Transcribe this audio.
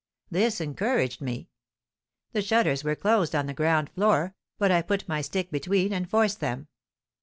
This encouraged me. The shutters were closed on the ground floor, but I put my stick between and forced them.